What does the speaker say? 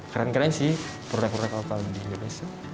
keren keren sih produk produk otomotifnya